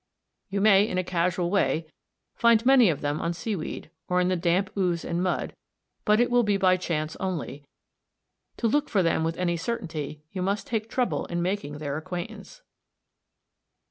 You may in a casual way find many of them on seaweed, or in the damp ooze and mud, but it will be by chance only; to look for them with any certainty you must take trouble in making their acquaintance.